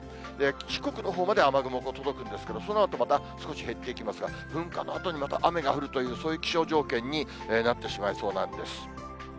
四国のほうまで雨雲届くんですけど、そのあとまた、少し減っていきますが、噴火のあとにまた雨が降るという、そういう気象条件になってしまいそうなんです。